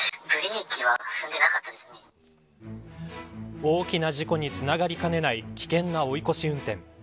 大きな事故につながりかねない危険な追い越し運転。